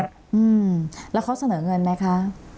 อืมแล้วเขาเสนอเงินไหมคะ